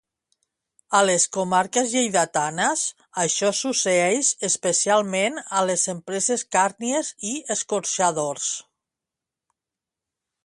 A les comarques lleidatanes, això succeeix especialment a les empreses càrnies i escorxadors.